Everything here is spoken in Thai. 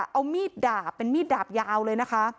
เอามีดดาบเป็นมีดดาบยาวเลยนะคะ